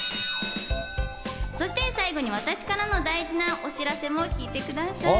そして最後に私からも大事なお知らせも聞いてください。